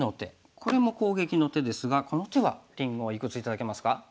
これも攻撃の手ですがこの手はりんごいくつ頂けますか？